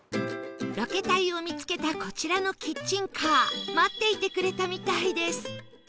ロケ隊を見つけたこちらのキッチンカー待っていてくれたみたいです